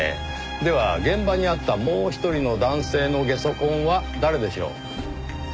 では現場にあったもう１人の男性のゲソ痕は誰でしょう？